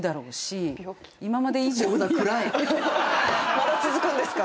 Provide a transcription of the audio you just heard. まだ続くんですか？